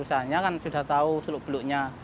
usahanya kan sudah tahu seluk beluknya